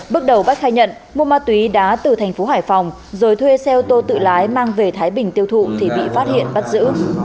bước đầu bách khai nhận mua ma túy đá từ thành phố hải phòng rồi thuê xe ô tô tự lái mang về thái bình tiêu thụ thì bị phát hiện bắt giữ